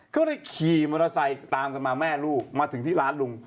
ก็เลยขี่มอเตอร์ไซค์ตามกันมาแม่ลูกมาถึงที่ร้านลุง